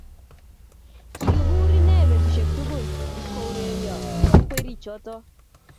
Kikigur ine petusiek tugul ipko urerenio ak werichoto